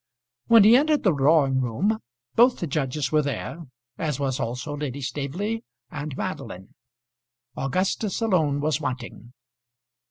When he entered the drawing room both the judges were there, as was also Lady Staveley and Madeline. Augustus alone was wanting.